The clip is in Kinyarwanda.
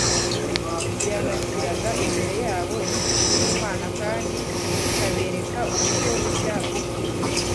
cyanashyiraga imbere yabo inyigisho y'Imana kandi kikabereka uburyo bushya bw'ukuri.